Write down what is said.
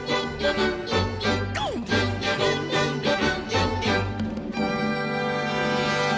「リンリリンリンリリンリンリン」